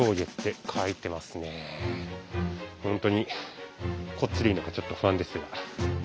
本当にこっちでいいのかちょっと不安ですが。